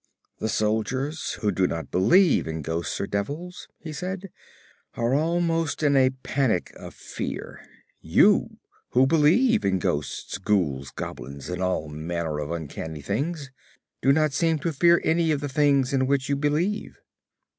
'The soldiers, who do not believe in ghosts or devils,' he said, 'are almost in a panic of fear. You, who believe in ghosts, ghouls, goblins, and all manner of uncanny things, do not seem to fear any of the things in which you believe.'